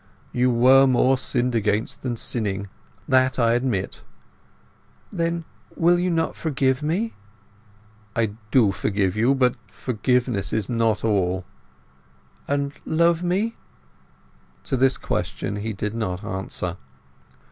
"You were more sinned against than sinning, that I admit." "Then will you not forgive me?" "I do forgive you, but forgiveness is not all." "And love me?" To this question he did not answer.